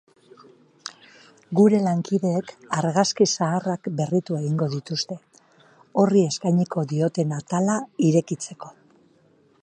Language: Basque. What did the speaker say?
Gure lankideek argazki zaharrak berritu egingo dituzte, horri eskainiko dioten atala irekitzeko.